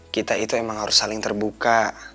kita itu emang harus saling terbuka